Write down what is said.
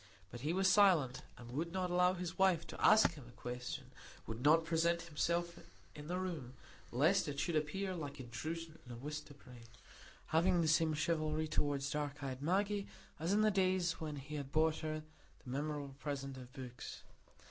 But he was silent, and would not allow his wife to ask him a question; would not present himself in the room, lest it should appear like intrusion and a wish to pry; having the same chivalry toward dark eyed Maggie as in the days when he had bought her the memorable present of books.